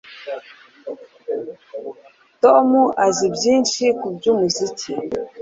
Tom azi byinshi kubyumuziki